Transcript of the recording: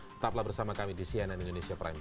tetaplah bersama kami di cnn indonesia prime news